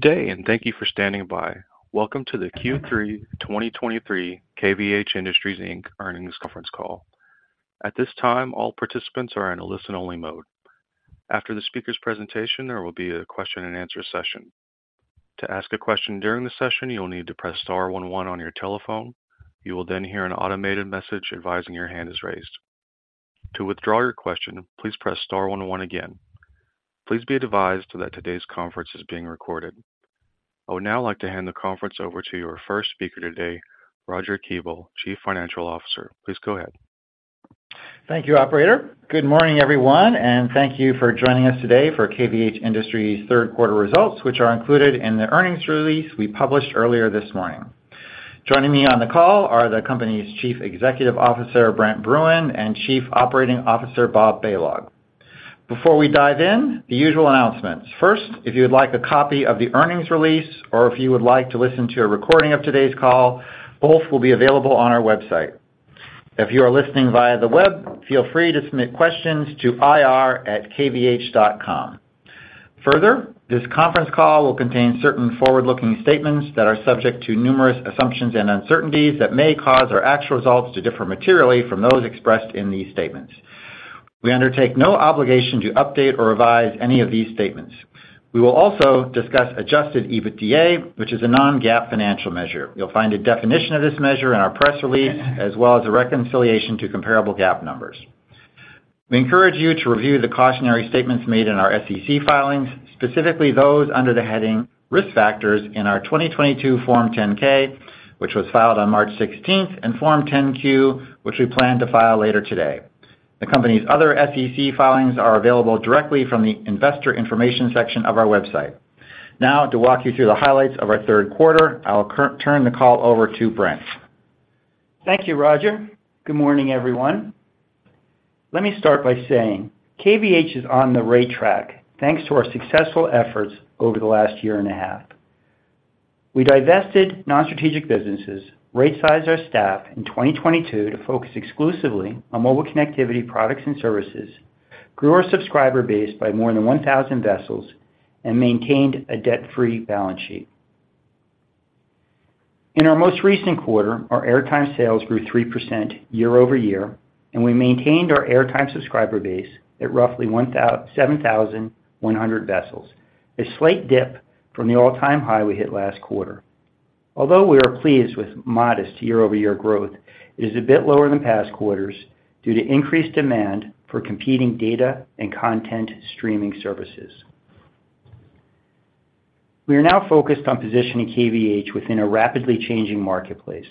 Good day, and thank you for standing by. Welcome to the Q3 2023 KVH Industries, Inc Earnings Conference Call. At this time, all participants are in a listen-only mode. After the speaker's presentation, there will be a question-and-answer session. To ask a question during the session, you will need to press star one one on your telephone. You will then hear an automated message advising your hand is raised. To withdraw your question, please press star one one again. Please be advised that today's conference is being recorded. I would now like to hand the conference over to your first speaker today, Roger Kuebel, Chief Financial Officer. Please go ahead. Thank you, operator. Good morning, everyone, and thank you for joining us today for KVH Industries' third quarter results, which are included in the earnings release we published earlier this morning. Joining me on the call are the company's Chief Executive Officer, Brent Bruun, and Chief Operating Officer, Bob Balog. Before we dive in, the usual announcements. First, if you would like a copy of the earnings release or if you would like to listen to a recording of today's call, both will be available on our website. If you are listening via the web, feel free to submit questions to ir@kvh.com. Further, this conference call will contain certain forward-looking statements that are subject to numerous assumptions and uncertainties that may cause our actual results to differ materially from those expressed in these statements. We undertake no obligation to update or revise any of these statements. We will also discuss adjusted EBITDA, which is a non-GAAP financial measure. You'll find a definition of this measure in our press release, as well as a reconciliation to comparable GAAP numbers. We encourage you to review the cautionary statements made in our SEC filings, specifically those under the heading Risk Factors in our 2022 Form 10-K, which was filed on March 16th, and Form 10-Q, which we plan to file later today. The company's other SEC filings are available directly from the Investor Information section of our website. Now, to walk you through the highlights of our third quarter, I'll turn the call over to Brent. Thank you, Roger. Good morning, everyone. Let me start by saying KVH is on the right track, thanks to our successful efforts over the last year and a half. We divested non-strategic businesses, right-sized our staff in 2022 to focus exclusively on mobile connectivity products and services, grew our subscriber base by more than 1,000 vessels, and maintained a debt-free balance sheet. In our most recent quarter, our airtime sales grew 3% year-over-year, and we maintained our airtime subscriber base at roughly 7,100 vessels, a slight dip from the all-time high we hit last quarter. Although we are pleased with modest year-over-year growth, it is a bit lower than past quarters due to increased demand for competing data and content streaming services. We are now focused on positioning KVH within a rapidly changing marketplace.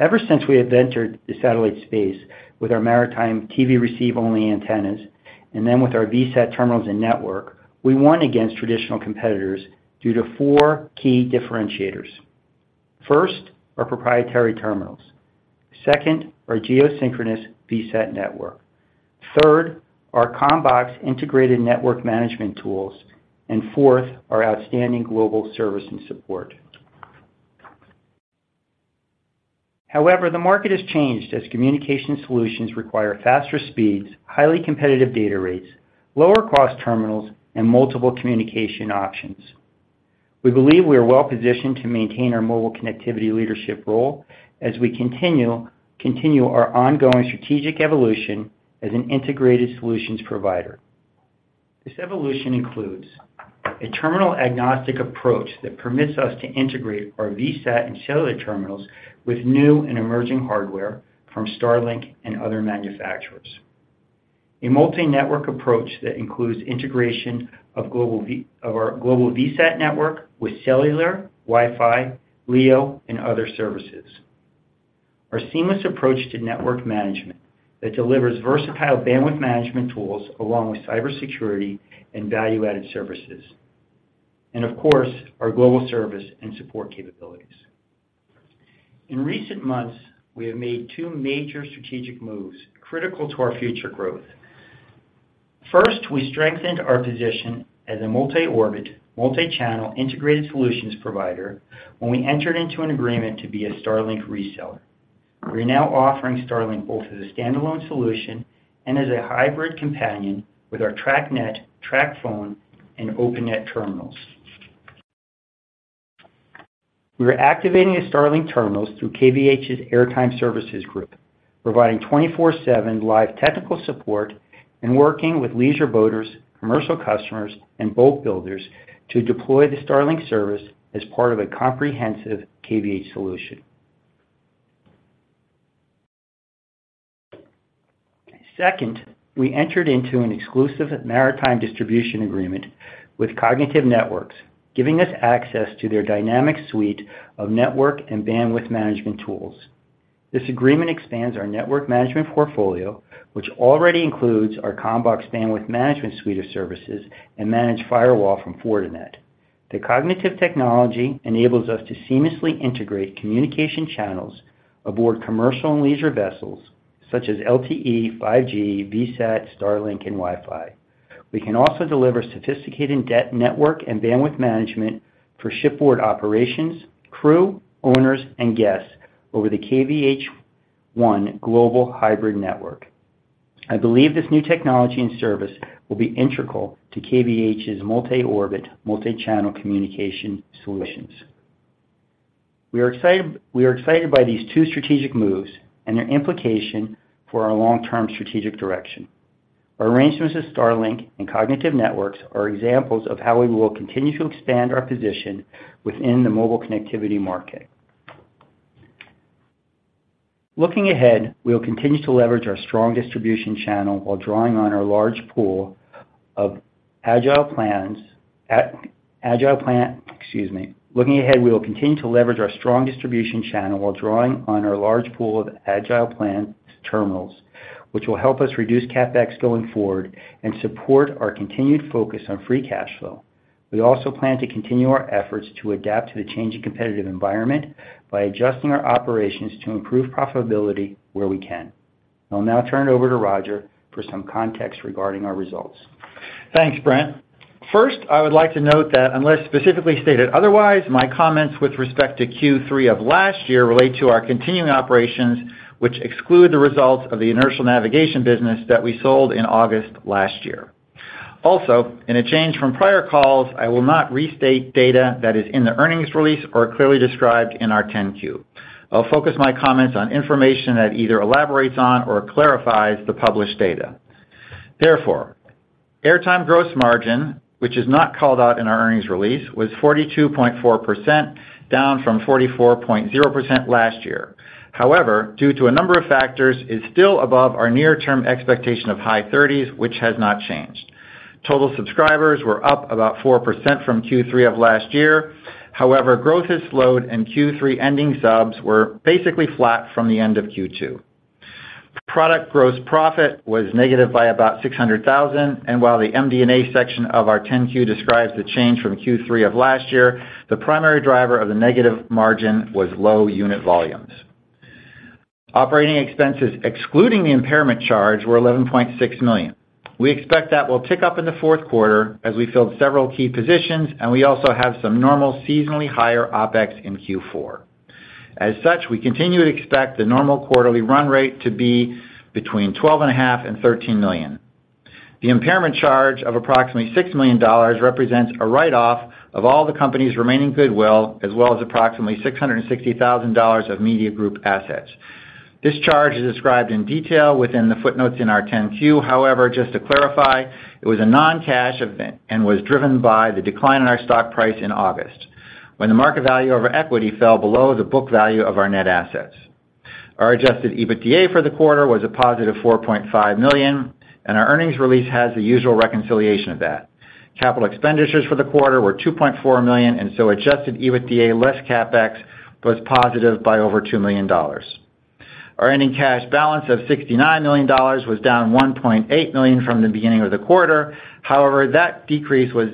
Ever since we have entered the satellite space with our maritime TV receive-only antennas, and then with our VSAT terminals and network, we won against traditional competitors due to four key differentiators. First, our proprietary terminals; second, our geosynchronous VSAT network; third, our CommBox integrated network management tools; and fourth, our outstanding global service and support. However, the market has changed as communication solutions require faster speeds, highly competitive data rates, lower-cost terminals, and multiple communication options. We believe we are well positioned to maintain our mobile connectivity leadership role as we continue our ongoing strategic evolution as an integrated solutions provider. This evolution includes a terminal-agnostic approach that permits us to integrate our VSAT and cellular terminals with new and emerging hardware from Starlink and other manufacturers. A multi-network approach that includes integration of our global VSAT network with cellular, Wi-Fi, LEO, and other services. Our seamless approach to network management that delivers versatile bandwidth management tools along with cybersecurity and value-added services, and of course, our global service and support capabilities. In recent months, we have made two major strategic moves critical to our future growth. First, we strengthened our position as a multi-orbit, multi-channel, integrated solutions provider when we entered into an agreement to be a Starlink reseller. We are now offering Starlink both as a standalone solution and as a hybrid companion with our TracNet, TracPhone, and OpenNet terminals. We are activating the Starlink terminals through KVH's Airtime Services group, providing 24/7 live technical support and working with leisure boaters, commercial customers, and boat builders to deploy the Starlink service as part of a comprehensive KVH solution. Second, we entered into an exclusive maritime distribution agreement with Kognitive Networks, giving us access to their dynamic suite of network and bandwidth management tools. This agreement expands our network management portfolio, which already includes our CommBox bandwidth management suite of services and managed firewall from Fortinet. The Kognitive technology enables us to seamlessly integrate communication channels aboard commercial and leisure vessels such as LTE, 5G, VSAT, Starlink, and Wi-Fi. We can also deliver sophisticated dedicated network and bandwidth management for shipboard operations, crew, owners, and guests over the KVH ONE global hybrid network. I believe this new technology and service will be integral to KVH's multi-orbit, multi-channel communication solutions. We are excited, we are excited by these two strategic moves and their implication for our long-term strategic direction. Our arrangements with Starlink and Kognitive Networks are examples of how we will continue to expand our position within the mobile connectivity market. Looking ahead, we'll continue to leverage our strong distribution channel while drawing on our large pool of AgilePlans. AgilePlans, excuse me. Looking ahead, we will continue to leverage our strong distribution channel while drawing on our large pool of AgilePlans terminals, which will help us reduce CapEx going forward and support our continued focus on free cash flow. We also plan to continue our efforts to adapt to the changing competitive environment by adjusting our operations to improve profitability where we can. I'll now turn it over to Roger for some context regarding our results. Thanks, Brent. First, I would like to note that unless specifically stated otherwise, my comments with respect to Q3 of last year relate to our continuing operations, which exclude the results of the inertial navigation business that we sold in August last year. Also, in a change from prior calls, I will not restate data that is in the earnings release or clearly described in our 10-Q. I'll focus my comments on information that either elaborates on or clarifies the published data. Therefore, airtime gross margin, which is not called out in our earnings release, was 42.4%, down from 44.0% last year. However, due to a number of factors, is still above our near-term expectation of high 30s, which has not changed. Total subscribers were up about 4% from Q3 of last year. However, growth has slowed, and Q3 ending subs were basically flat from the end of Q2. Product gross profit was negative by about $600,000, and while the MD&A section of our 10-Q describes the change from Q3 of last year, the primary driver of the negative margin was low unit volumes. Operating expenses, excluding the impairment charge, were $11.6 million. We expect that will pick up in the fourth quarter as we filled several key positions, and we also have some normal seasonally higher OpEx in Q4. As such, we continue to expect the normal quarterly run rate to be between $12.5 million and $13 million. The impairment charge of approximately $6 million represents a write-off of all the company's remaining goodwill, as well as approximately $660,000 of media group assets. This charge is described in detail within the footnotes in our 10-Q. However, just to clarify, it was a non-cash event and was driven by the decline in our stock price in August, when the market value of our equity fell below the book value of our net assets. Our adjusted EBITDA for the quarter was a +$4.5 million, and our earnings release has the usual reconciliation of that. CapEx for the quarter were $2.4 million, and so adjusted EBITDA, less CapEx, was positive by over $2 million. Our ending cash balance of $69 million was down $1.8 million from the beginning of the quarter. However, that decrease was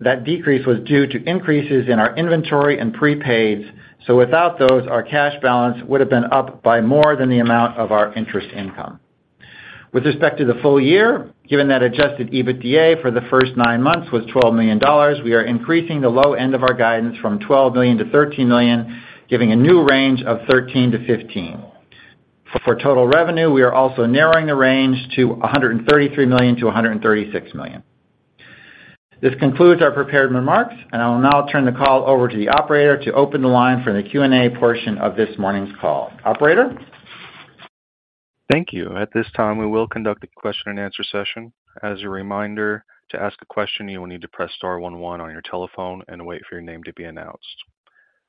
due to increases in our inventory and prepaids, so without those, our cash balance would have been up by more than the amount of our interest income. With respect to the full year, given that adjusted EBITDA for the first nine months was $12 million, we are increasing the low end of our guidance from $12 million to $13 million, giving a new range of $13 million-$15 million. For total revenue, we are also narrowing the range to $133 million-$136 million. This concludes our prepared remarks, and I will now turn the call over to the operator to open the line for the Q&A portion of this morning's call. Operator? Thank you. At this time, we will conduct a question-and-answer session. As a reminder, to ask a question, you will need to press star one one on your telephone and wait for your name to be announced.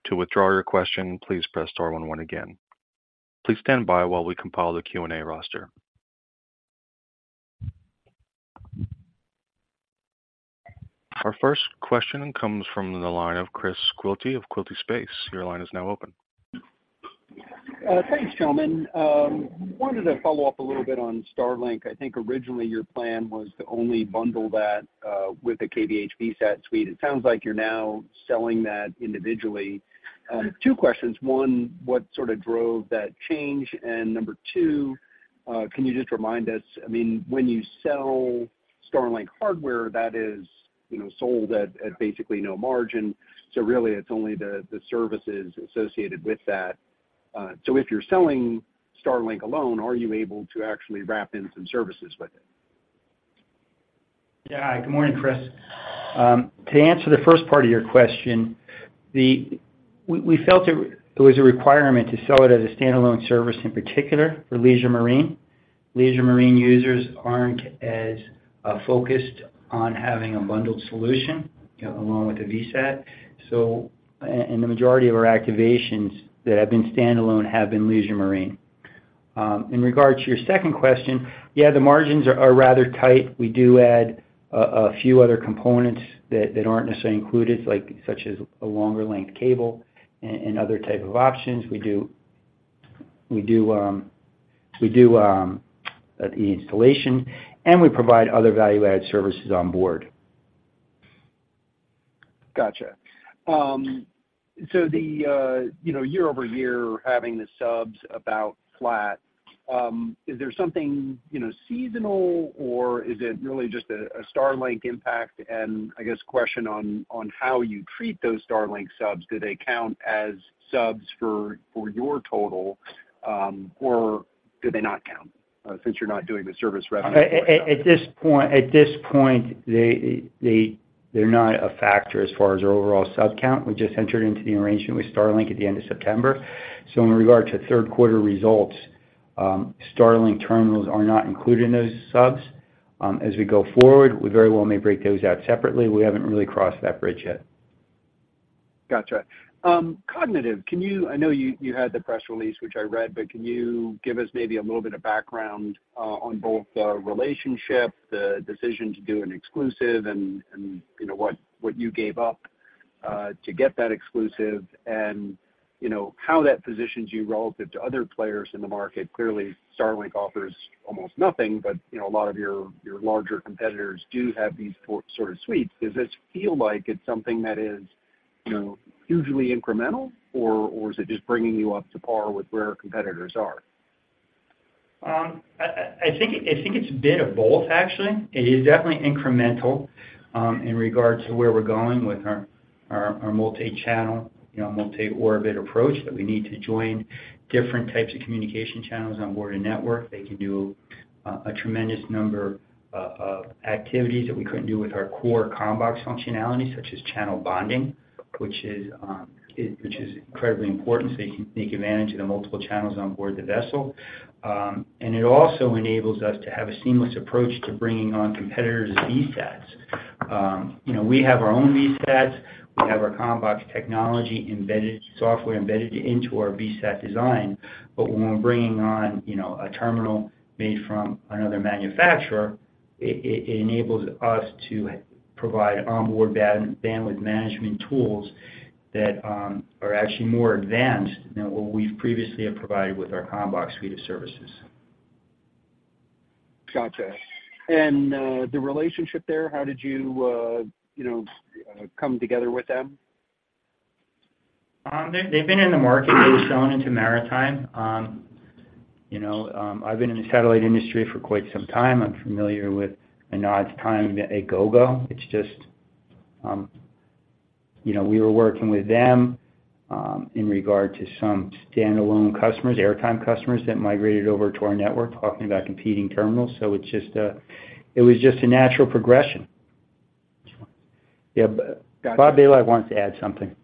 To withdraw your question, please press star one one again. Please stand by while we compile the Q&A roster. Our first question comes from the line of Chris Quilty of Quilty Space. Your line is now open. Thanks, gentlemen. Wanted to follow up a little bit on Starlink. I think originally your plan was to only bundle that with the KVH VSAT suite. It sounds like you're now selling that individually. Two questions: One, what sort of drove that change? And number two, can you just remind us, I mean, when you sell Starlink hardware that is, you know, sold at, at basically no margin, so really it's only the, the services associated with that. So if you're selling Starlink alone, are you able to actually wrap in some services with it? Yeah. Good morning, Chris. To answer the first part of your question, we felt it was a requirement to sell it as a standalone service, in particular for leisure marine. Leisure marine users aren't as focused on having a bundled solution along with the VSAT. So, and the majority of our activations that have been standalone have been leisure marine. In regard to your second question, yeah, the margins are rather tight. We do add a few other components that aren't necessarily included, like such as a longer-length cable and other type of options. We do the installation, and we provide other value-added services on board. Gotcha. So the, you know, year-over-year, having the subs about flat, is there something, you know, seasonal or is it really just a Starlink impact? And I guess question on how you treat those Starlink subs, do they count as subs for your total, or do they not count? Since you're not doing the service revenue? At this point, they're not a factor as far as our overall sub count. We just entered into the arrangement with Starlink at the end of September. So in regard to third quarter results, Starlink terminals are not included in those subs. As we go forward, we very well may break those out separately. We haven't really crossed that bridge yet. Gotcha. Kognitive, can you—I know you had the press release, which I read, but can you give us maybe a little bit of background on both the relationship, the decision to do an exclusive, and you know, what you gave up to get that exclusive? You know, how that positions you relative to other players in the market. Clearly, Starlink offers almost nothing, but you know, a lot of your larger competitors do have these sort of suites. Does this feel like it's something that is, you know, hugely incremental, or is it just bringing you up to par with where competitors are? I think it's a bit of both, actually. It is definitely incremental in regards to where we're going with our multi-channel, you know, multi-orbit approach, that we need to join different types of communication channels on board a network. They can do a tremendous number of activities that we couldn't do with our core CommBox functionality, such as channel bonding, which is incredibly important, so you can take advantage of the multiple channels on board the vessel. It also enables us to have a seamless approach to bringing on competitors' VSATs. You know, we have our own VSATs. We have our CommBox technology embedded, software embedded into our VSAT design. But when we're bringing on, you know, a terminal made from another manufacturer, it enables us to provide onboard bandwidth management tools that are actually more advanced than what we've previously have provided with our CommBox suite of services. Gotcha. The relationship there, how did you, you know, come together with them? They've been in the market. They've shown into maritime. You know, I've been in the satellite industry for quite some time. I'm familiar with Manoj's time at Gogo. It's just, you know, we were working with them in regard to some standalone customers, airtime customers that migrated over to our network, talking about competing terminals. So it's just a, it was just a natural progression. Yeah, B- Gotcha. Robert Balog wants to add something.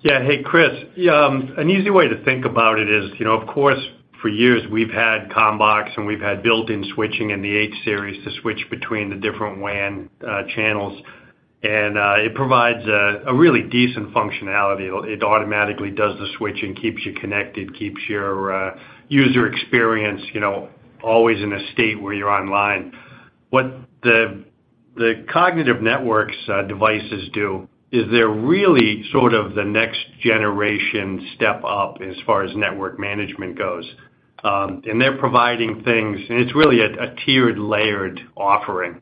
Yeah. Hey, Chris, an easy way to think about it is, you know, of course, for years we've had CommBox, and we've had built-in switching in the H-series to switch between the different WAN channels, and it provides a really decent functionality. It automatically does the switching, keeps you connected, keeps your user experience, you know, always in a state where you're online. What the Kognitive Networks devices do is they're really sort of the next generation step-up as far as network management goes. And they're providing things—and it's really a tiered, layered offering.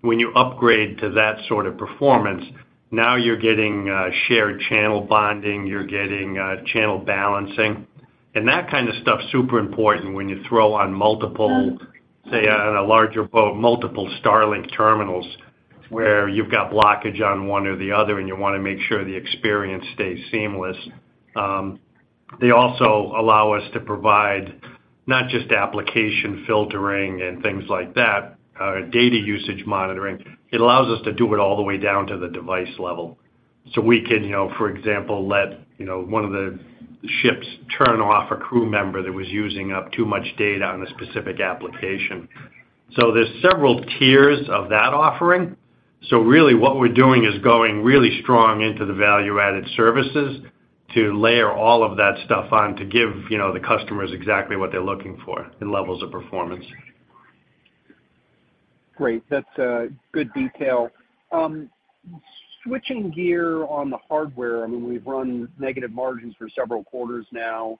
When you upgrade to that sort of performance, now you're getting shared channel bonding, you're getting channel balancing, and that kind of stuff's super important when you throw on multiple, say, on a larger boat, multiple Starlink terminals, where you've got blockage on one or the other, and you wanna make sure the experience stays seamless. They also allow us to provide not just application filtering and things like that, data usage monitoring. It allows us to do it all the way down to the device level. So we can, you know, for example, let, you know, one of the ships turn off a crew member that was using up too much data on a specific application. So there's several tiers of that offering. Really, what we're doing is going really strong into the value-added services to layer all of that stuff on, to give, you know, the customers exactly what they're looking for in levels of performance. Great. That's good detail. Switching gear on the hardware, I mean, we've run negative margins for several quarters now.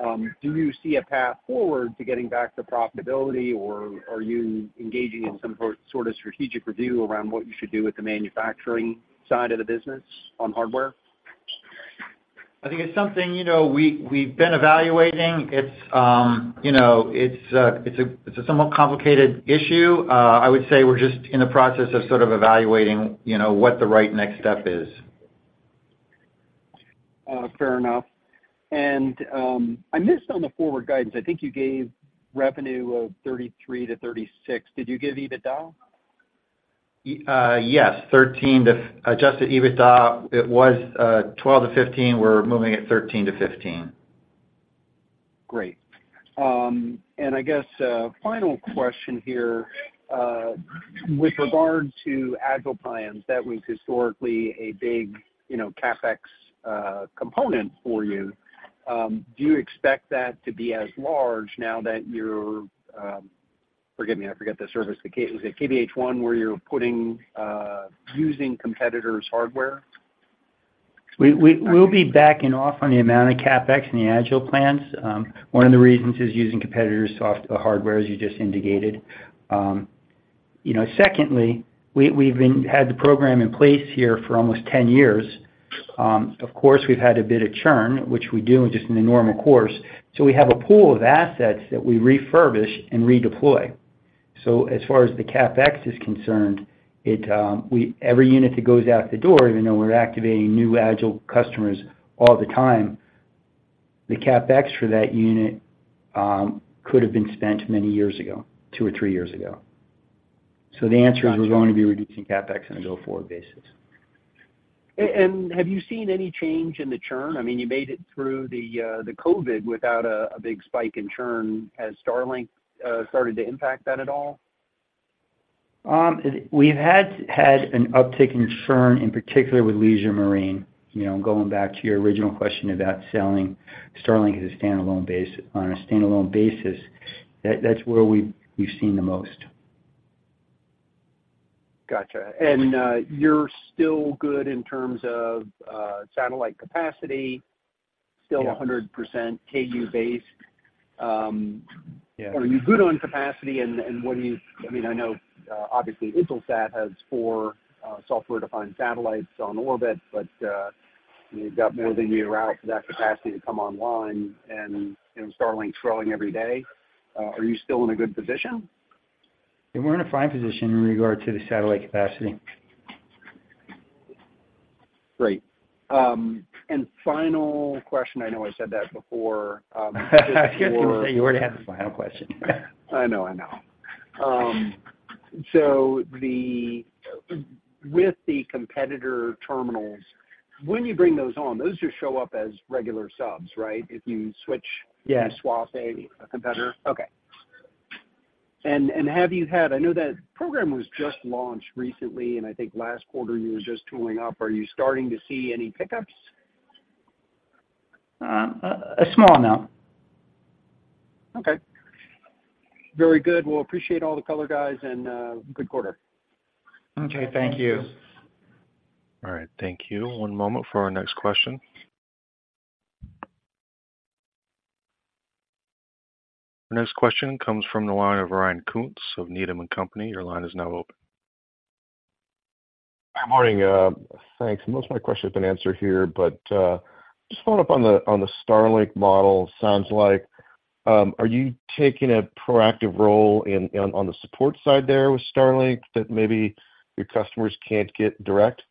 Do you see a path forward to getting back to profitability, or are you engaging in some sort of strategic review around what you should do with the manufacturing side of the business on hardware? I think it's something, you know, we, we've been evaluating. It's, you know, it's a somewhat complicated issue. I would say we're just in the process of sort of evaluating, you know, what the right next step is. Fair enough. I missed on the forward guidance. I think you gave revenue of $33-$36. Did you give EBITDA? Yes, 13 to—adjusted EBITDA, it was $12 million-$15 million. We're moving at $13 million-$15 million. Great. And I guess, final question here, with regard to AgilePlans, that was historically a big, you know, CapEx, component for you. Do you expect that to be as large now that you're—forgive me, I forget the service. The K—was it KVH ONE, where you're putting, using competitors' hardware? We'll be backing off on the amount of CapEx in the AgilePlans. One of the reasons is using competitors' software hardware, as you just indicated. You know, secondly, we've had the program in place here for almost 10 years. Of course, we've had a bit of churn, which we do just in the normal course. So we have a pool of assets that we refurbish and redeploy—so as far as the CapEx is concerned, every unit that goes out the door, even though we're activating new Agile customers all the time, the CapEx for that unit could have been spent many years ago, two or three years ago. So the answer is, we're going to be reducing CapEx on a go-forward basis. And have you seen any change in the churn? I mean, you made it through the COVID without a big spike in churn. Has Starlink started to impact that at all? We've had an uptick in churn, in particular with leisure marine. You know, going back to your original question about selling Starlink as a standalone basis—on a standalone basis, that's where we've seen the most. Gotcha. And you're still good in terms of satellite capacity? Yeah. Still 100% Ku-based. Yeah. Are you good on capacity, and what do you—I mean, I know, obviously, Intelsat has four software-defined satellites on orbit, but you've got more than year out for that capacity to come online and, you know, Starlink's growing every day. Are you still in a good position? Yeah, we're in a fine position in regard to the satellite capacity. Great. And final question, I know I said that before, just for— I was gonna say, you already had the final question. I know, I know. So with the competitor terminals, when you bring those on, those just show up as regular subs, right? If you switch— Yes. You swap a competitor—okay. And have you had—I know that program was just launched recently, and I think last quarter you were just tooling up. Are you starting to see any pickups? A small amount. Okay. Very good. Well, appreciate all the color, guys, and good quarter. Okay, thank you. All right, thank you. One moment for our next question. Our next question comes from the line of Ryan Koontz of Needham & Company. Your line is now open. Good morning. Thanks. Most of my questions have been answered here, but just following up on the, on the Starlink model, sounds like are you taking a proactive role in, on, on the support side there with Starlink, that maybe your customers can't get direct?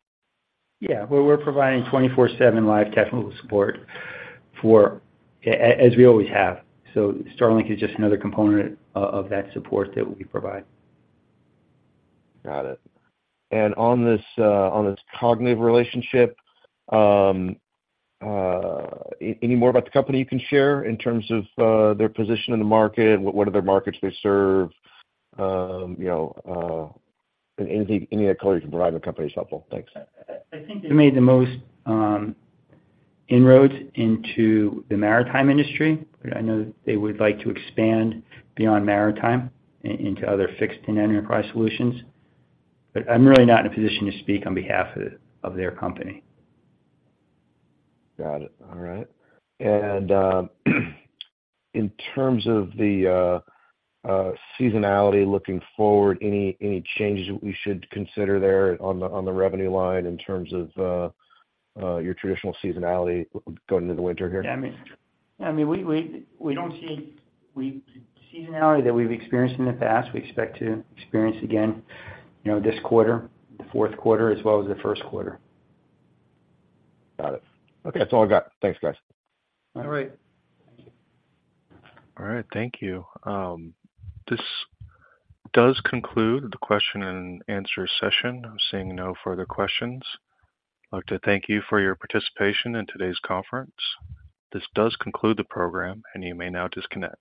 Yeah, we're providing 24/7 live technical support as we always have. So Starlink is just another component of that support that we provide. Got it. And on this Kognitive relationship, any more about the company you can share in terms of their position in the market? What are their markets they serve? You know, anything, any other color you can provide on the company is helpful. Thanks. I think they made the most inroads into the maritime industry, but I know they would like to expand beyond maritime into other fixed and enterprise solutions. But I'm really not in a position to speak on behalf of their company. Got it. All right. And in terms of the seasonality looking forward, any changes that we should consider there on the revenue line in terms of your traditional seasonality going into the winter here? Yeah, I mean, we don't see seasonality that we've experienced in the past. We expect to experience it again, you know, this quarter, the fourth quarter, as well as the first quarter. Got it. Okay. That's all I've got. Thanks, guys. All right. All right, thank you. This does conclude the question-and-answer session. I'm seeing no further questions. I'd like to thank you for your participation in today's conference. This does conclude the program, and you may now disconnect.